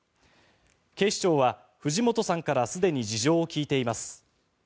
警視庁は藤本さんからすでに事情を聴いています。